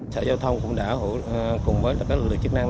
sở giao thông cũng đã cùng với các lực lượng chức năng